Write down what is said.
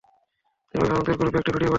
তিনি অভিভাবকদের গ্রুপে একটি ভিডিও পাঠিয়েছেন।